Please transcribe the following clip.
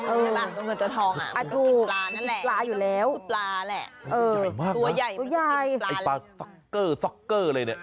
เออตัวใหญ่มันก็กินปลาแหละตัวใหญ่มากไอ้ปลาซ็อกเกอร์ซ็อกเกอร์อะไรเนี่ย